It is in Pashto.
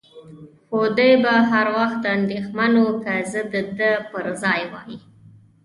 خو دی به هر وخت اندېښمن و، که زه د ده پر ځای وای.